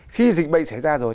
khi dịch bệnh xảy ra rồi